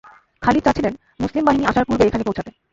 খালিদ চাচ্ছিলেন, মুসলিম বাহিনী আসার পূর্বে এখানে পৌঁছতে।